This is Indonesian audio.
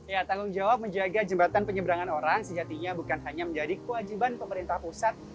ya tanggung jawab menjaga jembatan penyeberangan orang sejatinya bukan hanya menjadi kewajiban pemerintah pusat